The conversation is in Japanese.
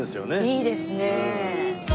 いいですね。